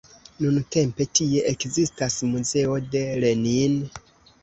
Nuntempe tie ekzistas muzeo de Lenin.